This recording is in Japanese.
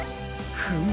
フム。